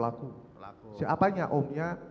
jangan sampai lihat video ini